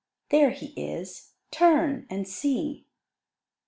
There he is: turn and see!